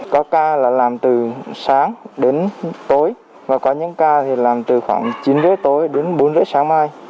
có ca là làm từ sáng đến tối và có những ca thì làm từ khoảng chín h tối đến bốn h sáng mai